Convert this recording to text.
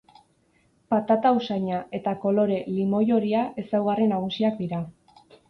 Patata usaina eta kolore limoi-horia ezaugarri nagusiak dira.